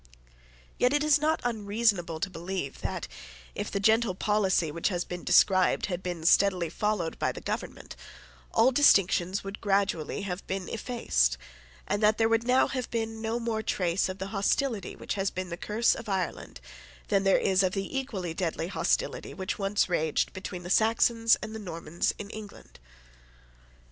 Yet it is not unreasonable to believe that, if the gentle policy which has been described had been steadily followed by the government, all distinctions would gradually have been effaced, and that there would now have been no more trace of the hostility which has been the curse of Ireland than there is of the equally deadly hostility which once raged between the Saxons and the Normans in England.